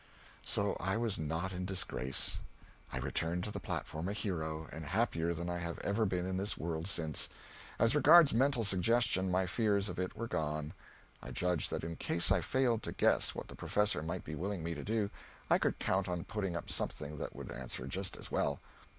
So I was not in disgrace. I returned to the platform a hero, and happier than I have ever been in this world since. As regards mental suggestion, my fears of it were gone. I judged that in case I failed to guess what the professor might be willing me to do, I could count on putting up something that would answer just as well.